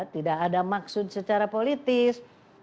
tidak ada maksud secara politis